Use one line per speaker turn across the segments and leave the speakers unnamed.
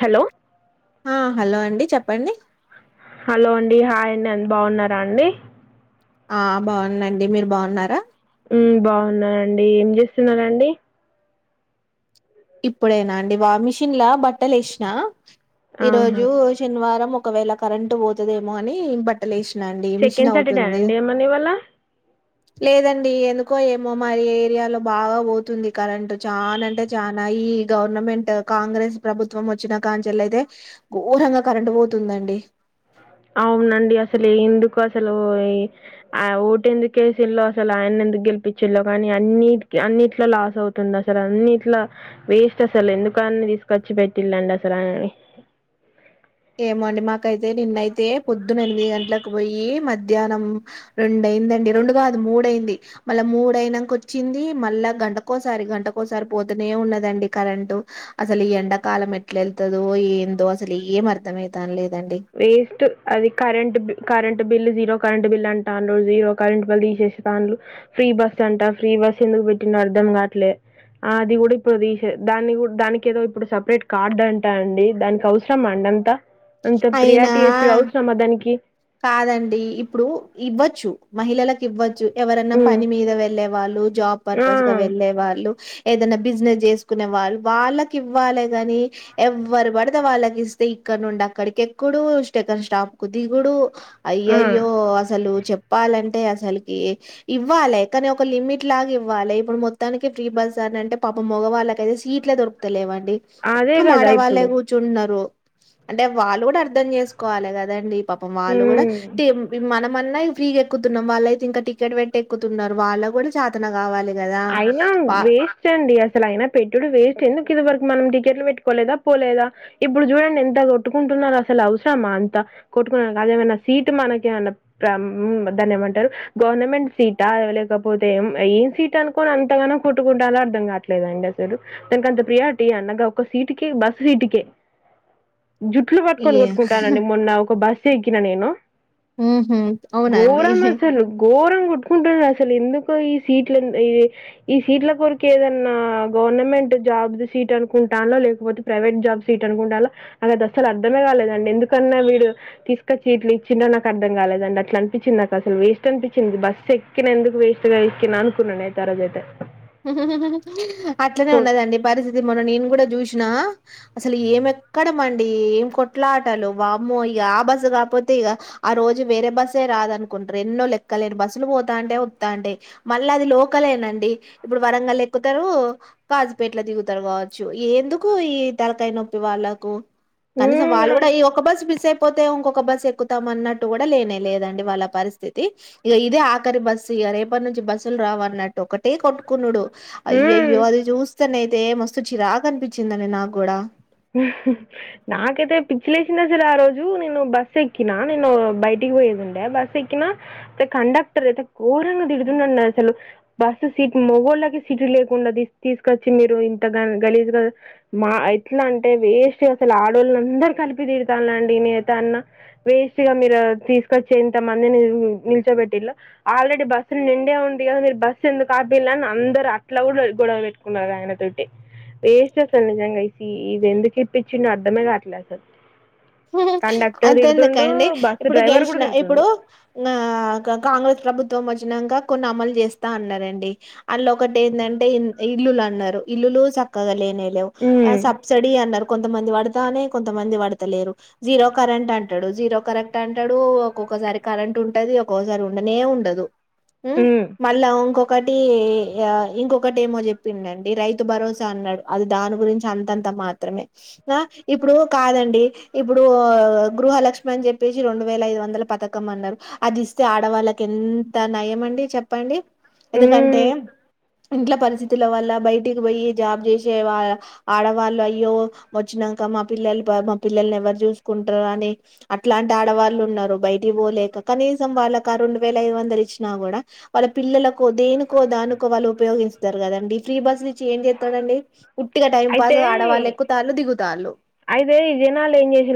Hello
ఆ hello అండి చెప్పండి.
హలో అండి హాయ్ అండి అంత బాగున్నారా అండి?
ఆ బాగుందండి. మీరు బాగున్నారా?
మ్మ్ బాగున్ననండి. ఏం చేస్తున్నారండి?
ఇప్పుడేనా అండి వా మిషిన్లా బట్టలు యేశినా. ఈ
ఆహా
రోజు శనివారం ఒకవేళ కరెంట్ పోతదేమో అని, బట్టలేస్
సెకండ్ సటర్డే అండి ఏమన్న ఇవళ్ళ
లేదండి ఎందుకో ఏమో మా ఏరియాలో బాగా పోతుంది కరెంటు చాన అంటే చానా ఈ గవర్నమెంట్ కాంగ్రెస్ ప్రభుత్వం వచ్చినా కాంచెల్లి అయితే ఘోరంగా కరెంట్ పోతుందండి.
అవునునండి అసలు ఎందుకు అసలు ఆ ఓటు ఎందుకు ఏసిళ్ళో, అసలు ఆయనెందుకు గెలిపిచ్చిళ్లో గానీ, అన్నిటికి అన్నిట్ల లాస్ అవుతుంది. అసలు అన్నిట్లో వేస్ట్ అసలు ఎందుకు ఆన్ని తీసుకొచ్చి పెట్టిళ్ళండి అసలు ఆని.
ఏమో అండి మాకైతే నిన్నయితే పొద్దున ఎనిమిది గంటలకు పోయి, మధ్యాహ్నం రెండయ్యిందండి రెండు కాదు మూడయింది. మళ్ళా మూడయినంక వచ్చింది మళ్ళ గంటకోసారి గంటకోసారి పోతూనే ఉన్నదండి కరెంటు. అసలు ఈ ఎండాకాలం ఎట్ల ఎళ్తదో ఏందో అసలు ఏమ్ అ ర్థమైతలే
వేస్ట్ అది కరెంట్ బి current bill zero current bill అంటడు. జీరో కరెం బిల్ తీసేతాంలో ఫ్రీ బస్ అంట ఫ్రీ బస్ ఎందుకు పెట్టిన అర్ధం కావట్లే. ఆ అది కూడా ఇప్పుడు తీసే దా దానికి ఏదో ఇప్పుడు సపరేట్ కార్డు అంటా అండి. దానికి అవసరం అండి అంతా అంత
అయినా
ప్రియారిటీ ఇచ్చి అవసరమా దానికి
కాదండి ఇప్పుడు ఇవ్వచ్చు, మహిళలకు ఇవ్వచ్చు. ఎవరైన్నా
మ్మ్
పని మీద వెళ్లే వాళ్ళు, జాబ్
ఆ
పర్పస్ గా వెళ్ళలే వాళ్ళు. ఏదైనా బిజినెస్ చేసుకునే వాళ్ళు వాళ్ళకి ఇవ్వాలి గాని, ఎవ్వరు పడితే వాళ్ళకి ఇస్తే ఇక్కడ నుండి అక్కడికి ఎక్కడు స్టెకన్ స్టాప్ కు దిగుడు. అయ్య
ఆ
అయ్యో అసలు చెప్ చెప్పాలంటే అసలుకి ఇవ్వాలి. కానీ ఒక లిమిట్ లాగా ఇవ్వాలి. ఇప్పుడు మొత్తానికి ఫ్రీ బస్ అంటే పాప మగవాళ్ళకయితే సీట్లే దొరుకుతలేవ.
అదే
మొత్తం మా
కదా
వాళ్ళే
ఇప్పుడు
కూర్చుంటన్నారు. అంటే వాళ్ళు కూడా అర్థం చేసుకోవాలి కదండి. ఈ ప వాళ్ళు కూడా
మ్మ్
తె మనం మన్న ఫ్రీగా ఎక్కుతున్నాం వాళ్ళయితే ఇంకా టికెట్ పెట్టి ఎక్కుతున్నారు. వాళ్ళ కూడా జాతన కావాలి. కదా
అయినా
వా
వేస్ట్ అండి అసలు, అయినా పెట్టుడు వేస్ట్ ఎందు ఇదివరకు మనం టికెట్లు పెట్టుకోలేదా, పోలేదా ఇప్పుడు చూడండి. ఎంత కొట్టుకుంటున్నారు. అసలు అవసరమా అంతా కొట్టుకు అదేమన్నా సీట్ మనక ఏమన్నా దాని ఏమంటారు. గవర్నమెంట్ సీటా లేకపోతే ఏం సీట్ అను ని అంతగానో కొట్టుకుంటాలో అర్థం కావట్లేదండి. అసలు దాక అంత ప్రియారిటీ అండగా ఒక సీటుకే బస్ సీటుకే. జుట్లు పట్టుకొని
ఏ
కొట్టుకుంటానరండి మొన్న ఒక బస్ చేకి నన్నేను
ఉహు అవునా
ఘోరం
అండి
అసలు ఘోరం కొట్టుకుంటున్నారు అసలు ఎందుకు. ఇ ఈ సీట్ ఈ ఈ సీట్ల కొరిక ఏదన్నా గవర్నమెంట్ జాబ్ సీట్ అనుకుంటాన లేకపోతే, ప్రైవేట్ జాబ్ సీట్ అనుకుంటాలో అకతే అసలు అర్థమే కాలేదండి. ఎందుకన్నా వీడు తీసుక సీట్లు ఇచ్చినా నాకు అర్థం కాలేదండి. అట్లా అనిపించింది నాకు, అసలు వేస్ట్ అనిపించింది బస్సు ఎక్కిన ఎందుకు వేస్ట్ గా ఇ అనుకున్నానుయితే తరజతే
హుహ్హ్ అట్లనే ఉన్నదండి పరిస్థితి మనం నేను కూడా చూసినా అసలు ఏం ఎక్కడమ్ అండి ఏం కొట్లాటలు వామ్మో ఇక ఆ బస్సు కాకపోతే ఇక ఆ రోజు వేరే బస్సే రాదనుకుంటారు. ఎన్నో లెక్కలేను బస్సులు పోతాంటే వత్తా అంటే మళ్ళీ అది లోకలేనండి. ఇప్పుడు వరంగల్ ఎక్కుతారు. కాజుపేట్ల దిగుతారు కావచ్చు ఎందుకు ఈ తరకాయ నొప్పి వాళ్ళకు. కనీసం వాళ్ళు కూడా
హ్మ్
ఈ ఒక్క బస్సు మిసే పోతే ఇంకొక బస్సు ఎక్కుతామ అన్నట్టు కూడా లేనే లేదండి. వాళ్ళ పరిస్థితి ఇక ఇదే ఆఖరి బస్సు ఇక రేపటి నుంచి బస్సులు రావ అన్నట్టు ఒకటే కొ కునుడు అయ్య
హ్మ్
అయ్యో అది చూ వని అయితే మస్తు చిరాగా అనిపించిందండి నాకు కూడా
నాకైతే పిచ్చిలే లేసింది అసలు. ఆ రోజు నేను బస్ ఎక్కినా నేను బయటికి పోయేదిండే బస్సు ఎక్కినా అతే కండక్టర్ అయితే ఘోరంగా తిడుతున్నాండి. అసలు బస్సు సీట్ మొగోళ్ళకి సీటు లేకుండా తీసుకొచ్చి మీరు ఇంత గలీజుగా మా ఎట్లా అంటే వేస్ట్ గా అసలు ఆడోళ్ళని అందరు కలిపి తీడతానుండి నత అన్నా వేస్ట్గా మీరు తీసుకొచ్చి ఇంత మందిని నిల్చోబెట్టిళ. ఆల్రెడీ బస్సులు నిండే ఉంది కదా మీరు బస్సు ఎందుకు ఆపిల్ళ అని అందరు అట్లా కూడా గొడవ పెట్టుకున్నారు. ఆయన తటి వేస్ట్ అసలు నిజంగా ఇది ఎందుకు ఇప్పించిన అర్ధమే కాట్లేదు సార్
హుహు అంతే ఎందుక అండి
బస్సు
ఇప్పుడు
డ్రైవర్ కూడా
గెలిచిన
తిడుతుండు
ఇప్పుడు ఆ కాంగ్రెస్ ప్రభుత్వం వ వచ్చినక కొన్ని అమలు చేస్తా అన్నారండి. అళ్ళ ఒకటి ఏంటంటే ఇల్లులు అన్నారు ఇల్లులు చక్కగా లేని లేవు
హ్మ్
సబ్సిడీ అన్నారు. కొంతమంది పడతానే కొంతమంది పడతలేరు. జీరో కరెంట్ అంటాడు, జీరో కరెంట్ అంటాడు ఒక్కొక్కసారి కరెంట్ ఉంటది ఒక్కొక్కసారి ఉండనే ఉండదు.
హ్మ్
మళ్ళంగ ఒకటి ఇంకొకటి ఏమో చెప్పిండండి రైతు భరోసా అన్నాడు అది దాని గురించి అంతంత మాత్రమే ఆ ఇప్పుడు కాదండి ఇప్పుడు గృహలక్ష్మి అని చెప్పేసి రెండు వేల ఐదు వందల పతకం అన్నారు అది ఇస్తే ఆడవాళ్ళకి ఎంత నయం అండి చెప్పండి ఎందు కంటే
హ్మ్
ఇంట్ల పరిస్థితుల వల్ల బయటికి పోయి జాబ్ చేసే ఆడవాళ్ళు అయ్యో వచ్చినాక మా పిల్లలు మా పిల్లల్ని ఎవరు చూసుకుంటారు అని అట్లాంటి ఆడవాళ్ళు ఉన్నారు బయటికి పోలేక కనీసం వాళ్ళకి ఆ రెండు వేల యిదు వందలు ఇచ్చినా కూడా వాళ్ళ పిల్లకో దేనికో దానికో వాళ్ళు ఉపయోగిస్తారు కదండి ఫ్రీ బస్ నుచ్చి ఏం చేస్తాడుండి ఉట్టిగా టైం పాస్
అయితే
ఆడవాళ్ళు ఎక్కుతారుళ్ళు దిగుతారుళ్ళు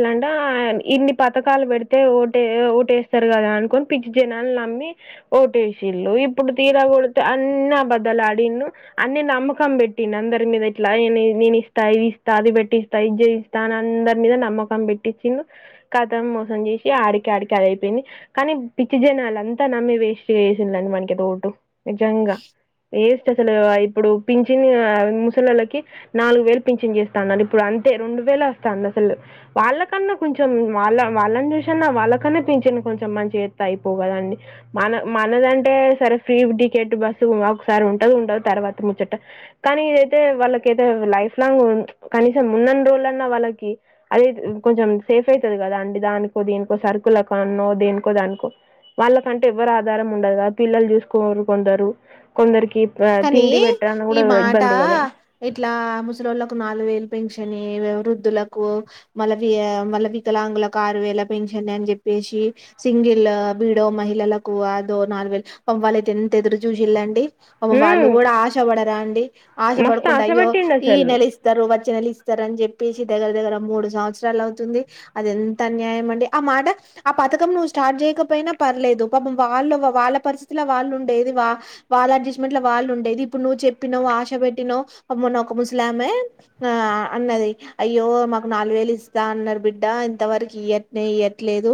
ల్ంట ఇన్ని పతకాలు పెడితే ఓటే ఓటేస్తారు కదా అనుకొని పిచ్చి జనాలు నమ్మి ఓటేసిళ్ళు ఇప్పుడు తీర కొడితే అన్ని బద్దలు ఆడిను అన్ని నమ్మకం పెట్టిం అందరి మీద ఇ న నేను ఇస్తా ఇవి ఇస్తా అది పెట్టిస్తా ఇది ఇస్తా అని అందరి మీద నమ్మకం పెట్టిచ్చిండు కథం మోసం చేసి ఆడికి ఆడికి అది అయిపోయింది కానీ పిచ్చి జనాలు అంతా నమ్మి వేస్ట్ చేసిండండి మనకి తోటు చంగా ఏ అసలు ఇప్పుడు పింఛిని ముసళళకి నాలుగు వేలు పింఛన్ చేస్తాన్నారు ఇప్పుడు అంతే రెండు వేలు వస్తాంది అసలు వాళ్ళకన్నా కొంచెం వాళ్ళ వాళ్ళని చూసన్న వాళ్ళకన్నా పింిన కొంచెం మంచి అయిపో కదండి మన మనదంటే సరే ఫ్రీ టికెట్ బస్సు ఒకసారి ఉంటది ఉంటదు తర్వాత ముచ్చట కానీ ఇదైతే వాళ్ళ అైతే లైఫ్ లాంగ్ కనీసం ఉన్న రోజులున్న వాళ్ళకి అది కొంచెం సేఫ్ అవుతుది కదా అండి దానికో దేనికో సర్కుల్ కాన్నో దేనికో దానికో వాళ్ళకంటే ఎవరు ఆధారం ఉండదు కదా పిల్లలు చూసుకోరు కొందరు కొందరికి
కానీ
తిండి బట్ట అన్న
ఈ
కూడా
మాట
ఇబందింది కదా
ఇట్లా ముస్లింలకు నాలుగు వేల పెన్షన్ వృద్ధులకు మళ్ళ మళ్ళ వికలాంగులకు ఆరు వేల పెన్షన్ అని చెప్పేసి సింగిల్ బీడో మహిళలకు అదో నాలుగు వేలు పంపాలయితే ఎంత ఎదురు చూసిళ్ళండి వాళ్ళు
ఉమ్
కూడా ఆశపడరా అండి ఆశ
మస్తు
పడకుంటడా
ఆశ
అయ్యో
పెట్టిండు
ఈ
అసలు
నెల ఇస్తారు వచ్చే నెల ఇస్తారు అని చెప్పేసి దగ్గర దగ్గర మూడు సంవత్సరాలు అవుతుంది అది ఎంత అన్యాయం అండి ఆ మాట ఆ పథకం నువ్వు స్టార్ట్ చేయకపోయినా పర్లేదు పాప వాళ్ళు వాళ్ళ పరిస్థితిలో వాళ్ళు ఉండేది వా వాళ్ళ ట్ల వాళ్ళు ఉండేది ఇప్పుడు నువ్వు చెప్పినవ్ ఆశ పెట్టివు మొన్న ఒక ముసలామే ఆ అన్నది అయ్యో మాకు నాలుగు వేలు ఇస్తా అన్నారు బిడ్డ ఇంత వరకు ఇయనే ఇయట్లేదు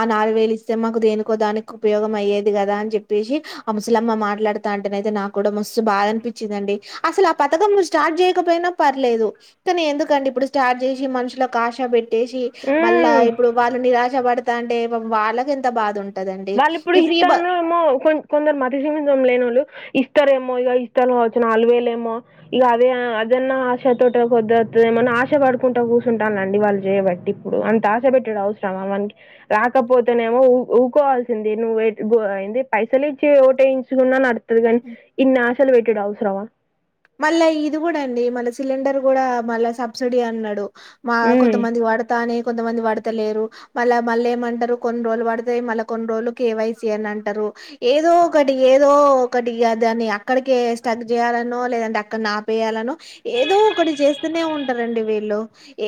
ఆ నాలుగు వేలు ఇస్తే మాకు దేనుకో దానికి ఉపయోగం అయ్యేది కదా అని చెప్పేసి ఆ ముసలామ్మ మాట్లాడుతా అంట అనయితే నాకు కూడా మస్తు బాధ అనిపించిందండి అసలు ఆ పథకం నువ్వు స్టార్ట్ చేయకపోయినా పర్లేదు కాను ఎందుకండి ఇప్పుడు స్టార్ట్ చేసి మనుషులో కాషా పెట్టి ట్టేసి మళ్ళా
ఉమ్
ఇప్పుడు వాళ్ళు నిరాశ పడత అంే వాళ్ళకి ఎంత బాధ ఉంటుంది
వాళ్ళు ఇప్పుడు ఇస్తాను ఏమో కొ కొందరు మతి సీమతం లేని వాళ్ళు ఇ ఇస్తరేమో ఇక ఇస్తల వచ్చిన నలువేలు ఏమో ఇక అదే అదన్నా ఆశతోట కొద్దిస్తుేమోని ఆశ పడుకుంటూ కూర్చుంటానుండి వాళ్ళు చేయబట్టి ఇప్పుడు అంత ఆశ పెట్టాడు అవసరమా మనకి రాకపోతేనేమో కోవాల్సిందంది నువ్వు ఏ పైసలు ఇచ్చి ఓటేయించుకున్నా న అడుతుది కాని ఇన్నిషలు వేటెడ్ అవసరమా
మళ్ళా ఇది కూడా అండి మళ్ళ సిలిండర్ కూడా మళ్ళా సబ్సిడీ అన్నాడు మా కొంతమంది వాడతానే కొంతమంది పడతలేరు మళ్ళ మళ్ళ ఏమంటారు కొన్ని రోజులు పడతాయి మళ్ళ కొన్ని రోజులు కేవైసి అని అంటారు ఏదో ఒకటి ఏదో ఒకటి దాని అక్కడిక స్టక్ చేయాలన్న లేదండి అక్కడ నాపేయాలను ఏదో ఒకటి చేస్తూనే ఉంటారంండి వీళ్ళు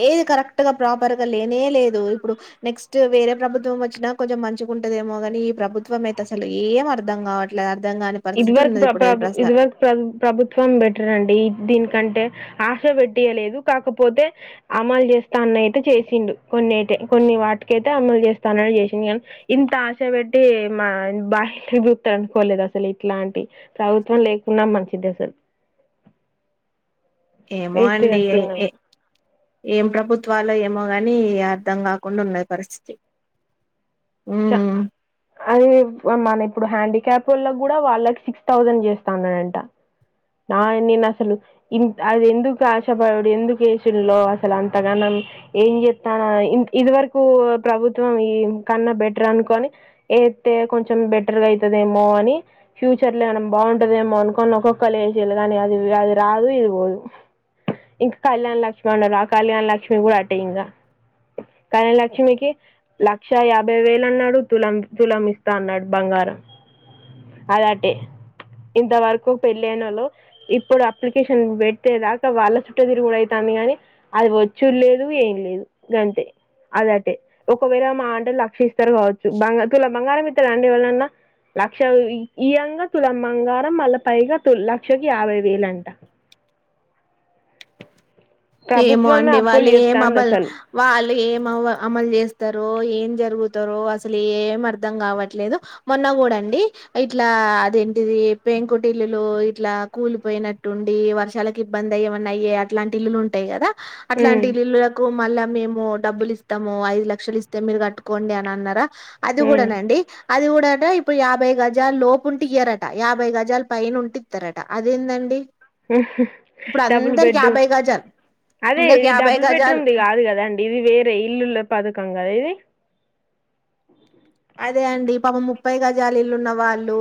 ఏది కరెక్ట్ గా ప్రాపర్ గా లేనే లేదు ఇప్పుడు నెక్స్ట్ వేరే ప్రభుత్వం వచ్చినా కొంచెం మంచిగా ఉంటదేమో కానీ ఈ ప్రభుత్వం అయితే అసలు ఏం అర్థం కావట్లేదు అర్థం కాని
ఇది
పరిస్థితి
వరకు
ఉన్నది
ప్ర ప్ర
ఇప్పుడైతే
ఇది
ప్రస్తుతం
వరకు ప్ర ప్రభుత్వంట్ నండి దీనికంటే ఆశ పెట్టియలేదు కాకపోతే అమలు చేస్తాన అయితే చేసిండు కొన్ని అతే కొన్ని వాటికైతే అమలు చేస్తానని చేసిం కానీ ఇంత ఆశ పెట్టి మా బాహ గుతారు అనుకోలేదు అసలు ఇట్లాంటి ప్రభుత్వం లేకున్నా మంచిది అసలు
ఏమో
వేస్ట్
అండి
వచ్చింది
ఏ ఏం ప్రభుత్వాలు ఏమో కానీ అర్థం కాకుండా ఉండ పరిస్థితి
చ
ఉమ్
అది మన ఇప్పుడు హ్యాండిక్యాప్ ళ కూడా వాళ్ళకి సిక్స్ థౌసండ్ చేస్తాఅన్నాడంట న నేను అసలు ఇన్ అది ఎందుకు ఆశపడుడు ఎందుకు వేసీలో అసలు అంతగనం ఏం చెస్తాన ఇది వరకు ప్రభుత్వం ఈ కన్న పెట్ట అనుకోని ఎత్తే కొంచెం బెటర్ గా అవుతుదేమో అని ఫ్యూచర్ లో ఎమన బాగుంటదేమో అనుకోని ఒక్కొక్కలు వేసిలుగానీ కానీ అ అది రాదు ఇది పోదు ఇంక కళ్యాణ లక్ష్మి అన్నారు ఆ కళ్యాణ లక్ష్మి కూడా అంతే ఇంకా కళ్యాణ లక్ష్మికి లక్ష యాభై వే తులం తులమిస్తా అన్నాడు బంగారం ఆది అటే ఇంతవరకు పెళ్లయినోళ్ళు ఇప్పుడు అప్లికేషన్ పెట్టే దాకా వాళ్ళ చుట్టే తిరుగుడ అయితంది కానీ అది వ్వోచుడులేదు ఏం లేదు గంతే అదటే ఒకవేళ మా ఆంటే లక్ష్మిస్తే ఇస్తారు కావచ్చు బంగ తుల బంగారం ఇత రండి ఎవళ్ళన్నా లక్ష ఇయంగా తులం బంగారం మళ్ళా పైగా తు లక్షకి యాభై వేలు అంట
ఏమో అండి వాళ్ళు ఏం అబల్ వాళ్ ఏం అవ అమలు జేస్తరో ఏం జరుగుతారో అసలు ఏం అర్ధం కావట్లేదు మొన్న కూడా అండి ఇట్లా అదేంటిది పెంకుటిల్లులు ఇట్లా కూలిపోయినట్టుండి వర్షాలకు ఇబ్బందయి ఏమన్నాయె అట్లాంటి ఇల్లులుం టయి కదా అట్లాంటి
ఉమ్
ఇల్లులకు మళ్ళా మేము డబ్బులు ఇస్తాము ఐదు లక్షలు ఇస్తే మీరు కట్టుకోండి అని అన్నరా అది
ఉమ్
కూడానండి అది కూడా అట ఇప్పుడు యాభై గజాలు లోపు ఉంటే ఇయరట యాభై గజాలు పైన ఉంటే ఇత్తరట అదేందండి ఇప్పుడు
డబుల్
అందరికి
బెడ్రూమ్
యాబై గజాలు
అదే
అందరికి
ఇది
యాభై
డబుల్
గజాలు
బెడ్రూమ్ది కాదు కదా అండి ఇది వేరే ఇల్లుల పథకం కదా ఇది [inaudible]
అదే అండి పాపం ముప్పై గజాలు ఇల్లున్న వాళ్ళు,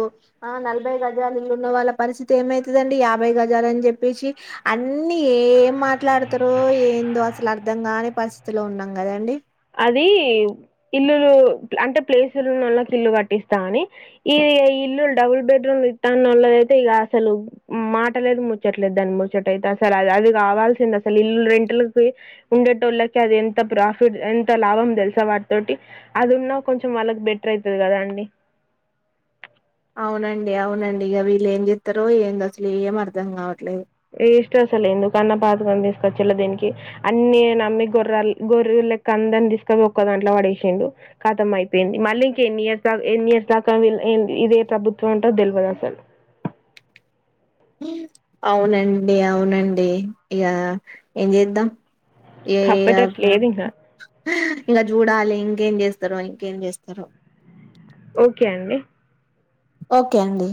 ఆ నలభై గజాలు ఇల్లున్న వాళ్ళ పరిస్థితి ఏమైతదండి యాభై గజాలని చెప్పేసి అన్ని ఏం మాట్లాడతరో ఏందో అసలు అర్ధం కానీ పరిస్థితిలో ఉన్నాం కదండి.
అది ఇల్లులు అంటే ప్లేసులు ఉన్నోళ్ళకి ఇల్లు కట్టిస్తామని ఇ ఇల్లు డబుల్ బెడ్రూమ్లు ఇత్తన్నోళ్లదయితే ఇగ అసలు మాటలేదు ముచ్చట్లేదు దాన్ని ముచ్చట అయితే అసలు అది కావాల్సింది అసలు ఇల్లు రెంట్లకి ఉండేటోళ్ళకి అది ఎంత ప్రాఫిట్ ఎ త లాభం దెల్సా వాటితోటి అది ఉన్నా కొంచెం వాళ్ళకి బెటర్ ఐతది కదండి
అవునండి అవునండి ఇగ వీళ్ళు ఏం చెతారో ఏందో అసలు ఏం అర్ధం కావట్లేదు
వేస్ట్ అసలు ఎందుకు కన్న పాతదాన తీసుకొచ్చిళ్ళో దినికి అన్ని నమ్మి గొర్ర్రా గొర్రోలెక్క అందరిని తీసుకొని ఒక్క దాంట్లో వడేసిండు కతం అయిపోయింది మళ్ళీ ఇంక ఎన్ని ఇయర్స్ దాక ఎన్ని ఇయర్స్ దాకా వీల్ ఏం ఇదే ప్రభుత్వం ఉంటదొ డెల్వదసలు
అవునండి అవునండి ఇగ ఏం చేద్దాం ఏ అగ్
తప్పేటట్టు లేదు ఇంకా
[inaudible] ఇగ చూడాలి ఇం ఏం చేస్తరో ఇంకేం చేస్తరు
ఓకే అండి
ఓకే అండి